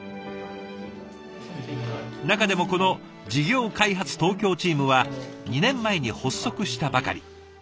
中でもこの事業開発東京チームは２年前に発足したばかり。